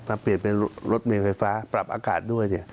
เปลี่ยนเป็นรถเมลไฟฟ้าปรับอากาศด้วยสิ